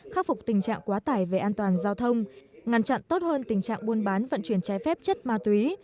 khắc phục tình trạng quá tải về an toàn giao thông ngăn chặn tốt hơn tình trạng buôn bán vận chuyển trái phép chất ma túy